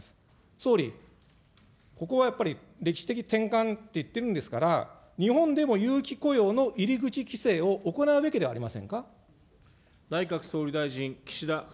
総理、ここはやっぱり歴史的転換って言っているんですから、日本でも有期雇用の入り口規制を行うべきではありませんか。